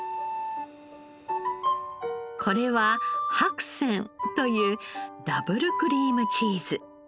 これは白仙というダブルクリームチーズ。